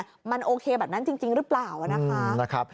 ได้อยู่เนี่ยมันโอเคแบบนั้นจริงจริงหรือเปล่าอืมนะครับ